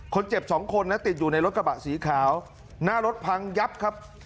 คนเจ็บสองคนนะติดอยู่ในรถกระบะสีขาวหน้ารถพังยับครับ